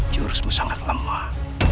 jurusmu sangat lemah